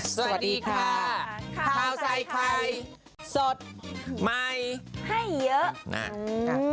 สวัสดีค่ะข้าวใส่ไข่สดใหม่ให้เยอะนะ